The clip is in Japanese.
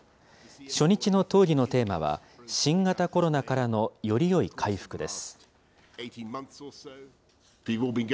初日の討議のテーマは、新型コロナからのよりよい回復です。